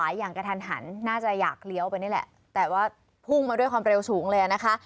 อย่างกระทันหันน่าจะอยากเลี้ยวไปนี่แหละแต่ว่าพุ่งมาด้วยความเร็วสูงเลยอ่ะนะคะ